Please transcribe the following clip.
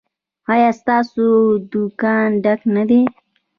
ایا ستاسو دکان ډک نه دی؟